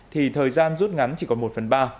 thì thời gian rút ngắn chỉ còn một phần ba